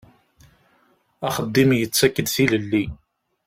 Axeddim yettak-d tilelli.